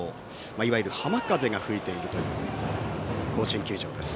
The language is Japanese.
いわゆる浜風が吹いている甲子園球場です。